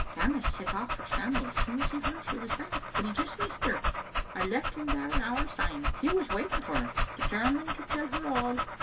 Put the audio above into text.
Tammas set off for Sam*rs as soon as he heard she was there, but he just missed her. I left him there an hour syne. He was waiting for her, determined to tell her all."